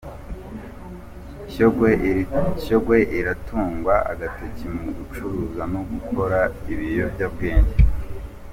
Shyogwe iratungwa agatoki mu gucuruza no gukora ibiyobyabwenge